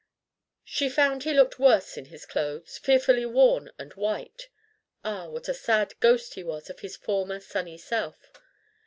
She found he looked worse in his clothes fearfully worn and white! Ah, what a sad ghost he was of his former sunny self!